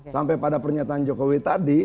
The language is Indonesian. sampai pada pernyataan jokowi tadi